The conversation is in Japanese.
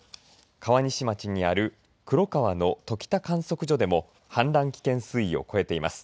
川西町にある黒川の時田観測所でも氾濫危険水位を超えています。